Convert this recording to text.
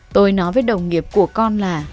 tôi nói với đồng nghiệp của con là